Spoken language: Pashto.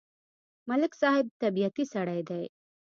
ملک صاحب طبیعتی سړی دی.